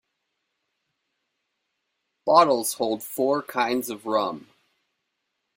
Bottles hold four kinds of rum.